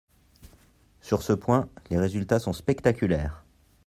Sur ce point, les résultats sont spectaculaires.